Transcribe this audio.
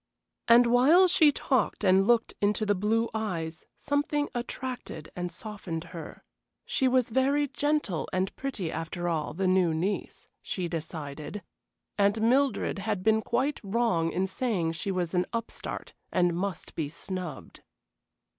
And while she talked and looked into the blue eyes something attracted and softened her. She was very gentle and pretty, after all, the new niece, she decided, and Mildred had been quite wrong in saying she was an upstart and must be snubbed.